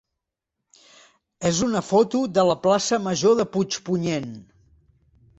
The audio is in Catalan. és una foto de la plaça major de Puigpunyent.